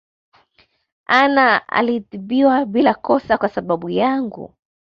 Anna aliadhibiwa bila kosa kwasababu yangu